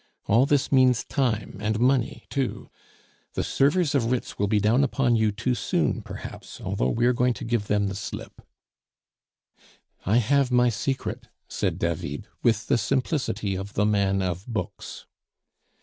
All this means time, and money too. The servers of writs will be down upon you too soon, perhaps, although we are going to give them the slip " "I have my secret," said David, with the simplicity of the man of books.